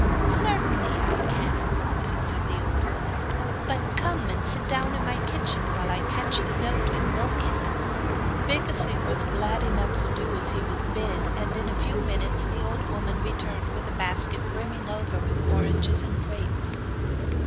'Certainly I can,' answered the old woman. 'But come and sit down in my kitchen while I catch the goat and milk it.' Becasigue was glad enough to do as he was bid, and in a few minutes the old woman returned with a basket brimming over with oranges and grapes.